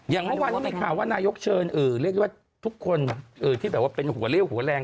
อย่างเมื่อวานนี้มีข่าวว่านายกเชิญเรียกได้ว่าทุกคนที่แบบว่าเป็นหัวเลี่ยวหัวแรง